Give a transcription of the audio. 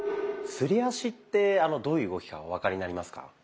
すり足ってどういう動きかお分かりになりますか？